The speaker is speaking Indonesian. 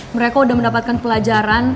mereka udah mendapatkan pelajaran